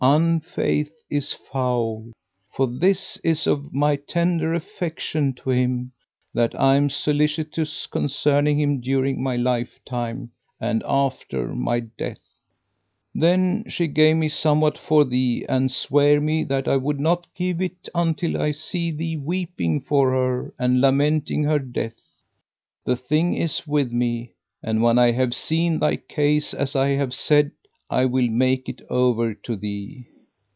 Unfaith is foul!' For this is of my tender affection to him, that I am solicitous concerning him during my lifetime and after my death.' Then she gave me somewhat for thee and sware me that I would not give it until I see thee weeping for her and lamenting her death. The thing is with me; and, when I have seen thy case as I have said, I will make it over to thee."